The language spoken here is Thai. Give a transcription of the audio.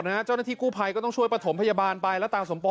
นั่นเหรอที่รองเท้าใช่ไหม